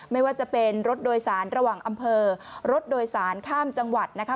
ไม่ว่าจะเป็นรถโดยสารระหว่างอำเภอรถโดยสารข้ามจังหวัดนะคะ